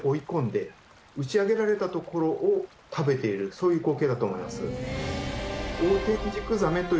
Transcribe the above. そういう光景だと思います。